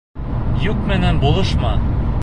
Юҡ менән булышма.